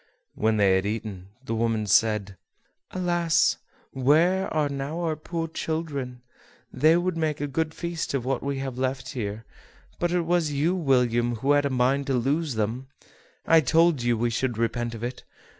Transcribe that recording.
When they had eaten, the woman said: "Alas! where are now our poor children? they would make a good feast of what we have left here; but it was you, William, who had a mind to lose them: I told you we should repent of it.